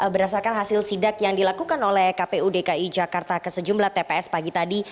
berdasarkan hasil sidak yang dilakukan oleh kpu dki jakarta ke sejumlah tps pagi tadi